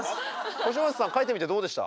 星街さん描いてみてどうでした？